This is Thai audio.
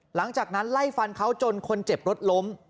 หลังจากนั้นไล่ฟันเขาจนคนเจ็บรถล้ม